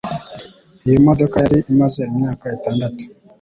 iyImodoka yari imaze imyaka itandatu,